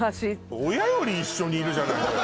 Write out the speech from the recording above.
親より一緒にいるじゃないのよ。